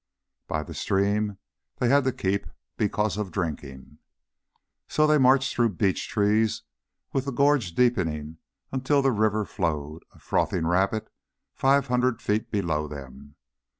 By the stream they had to keep because of drinking. So they marched through beech trees, with the gorge deepening until the river flowed, a frothing rapid, five hundred feet below them.